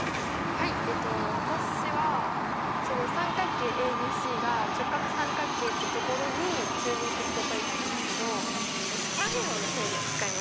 はい私は三角形ＡＢＣが直角三角形ってところに注目して解いたんですけど三平方の定理を使いました。